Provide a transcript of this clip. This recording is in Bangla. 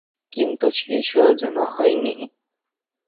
কিন্তু শেষ হয়েও যেন হয় নি।